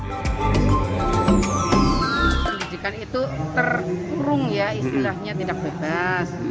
dan itu terkurung ya istilahnya tindak bebas